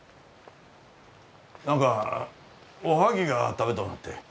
何かおはぎが食べとうなって。